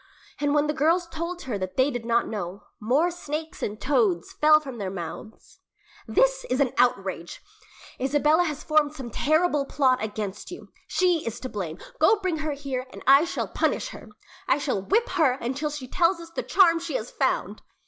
And when the girls told her that they did not know, more snakes and toads fell from their mouths. "This is an outrage!" exclaimed their mother. "Isabella has formed some terrible plot against you. She is to blame! Go bring her here, and I shall punish her. I shall whip her until she tells us the charm she has found."